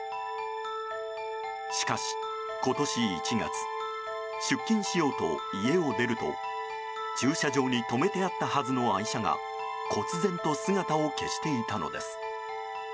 しかし、今年１月出勤しようと家を出ると駐車場に止めてあったはずの愛車がこつぜんと姿を消していたのです。